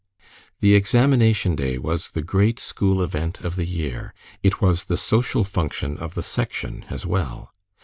The examination day was the great school event of the year. It was the social function of the Section as well.